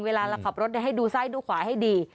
เวลาเราขับรถให้ดูซ้ายดูขวาให้ดี